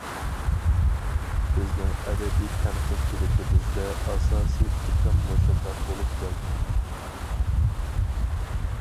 بىزنىڭ ئەدەبىي تەنقىدچىلىكىمىزدە ئاساسىي ئېقىم مۇشۇنداق بولۇپ كەلدى.